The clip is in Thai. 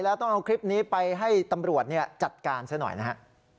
แล้วต้องเอาคลิปนี้ไปให้ตำรวจจัดการซะหน่อยนะฮะ